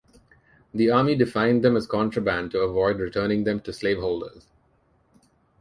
The Army defined them as contraband to avoid returning them to slaveholders.